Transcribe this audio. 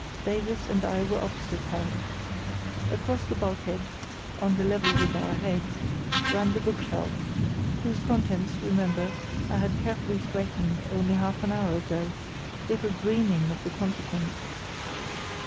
Davies and I were opposite her. Across the bulkhead, on a level with our heads, ran the bookshelf, whose contents, remember, I had carefully straightened only half an hour ago, little dreaming of the consequence.